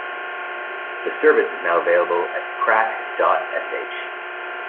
The service is now available at crack dot sh.